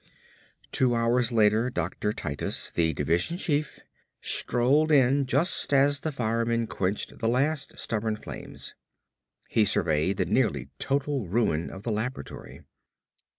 Two hours later, Dr. Titus, the division chief, strolled in just as the firemen quenched the last stubborn flames. He surveyed the nearly total ruin of the laboratory.